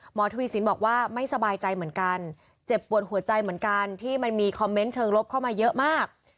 ทวีสินบอกว่าไม่สบายใจเหมือนกันเจ็บปวดหัวใจเหมือนกันที่มันมีคอมเมนต์เชิงลบเข้ามาเยอะมาก